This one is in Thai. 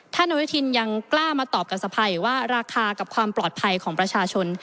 อนุทินยังกล้ามาตอบกับสภายว่าราคากับความปลอดภัยของประชาชน